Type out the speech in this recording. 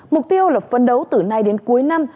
mục tiêu là phân đấu từ nay đến cuối năm